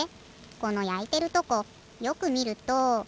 このやいてるとこよくみると。